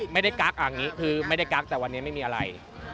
กักอย่างนี้คือไม่ได้กั๊กแต่วันนี้ไม่มีอะไร